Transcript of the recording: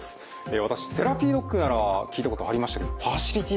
私セラピードッグなら聞いたことありましたけどファシリティ